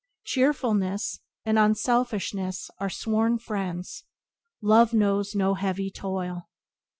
Cheerfulness and unselfishness are sworn friends. Love knows no heavy toil.